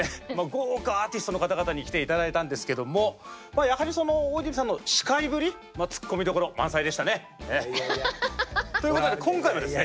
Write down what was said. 豪華アーティストの方々に来て頂いたんですけどもやはり大泉さんの司会ぶりツッコミどころ満載でしたね。ということで今回はですね。